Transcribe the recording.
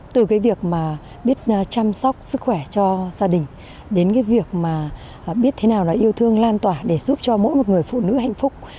từ việc biết chăm sóc sức khỏe cho gia đình đến việc biết thế nào yêu thương lan tỏa để giúp cho mỗi người phụ nữ hạnh phúc